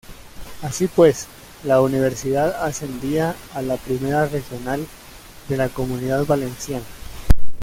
Así pues, el Universidad ascendía a la Primera Regional de la Comunidad Valenciana.